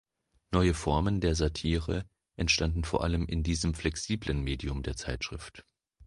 Neue Formen der Satire entstanden vor allem in diesem flexiblen Medium der Zeitschrift.